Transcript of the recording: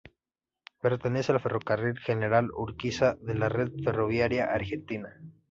Pertenece al Ferrocarril General Urquiza de la Red ferroviaria argentina.